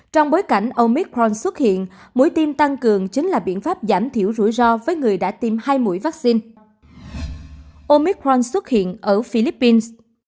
trong bối cảnh omicron xuất hiện mũi tiêm tăng cường chính là biện pháp giảm thiểu rủi ro với người đã tiêm hai mũi vaccine